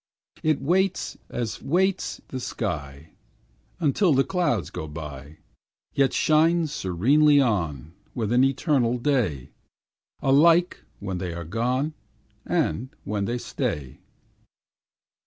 It waits, as waits the sky, Until the clouds go by, Yet shines serenely on With an eternal day, Alike when they are gone, And when they stay.